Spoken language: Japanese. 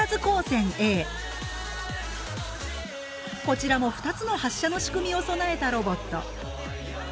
こちらも２つの発射の仕組みを備えたロボット。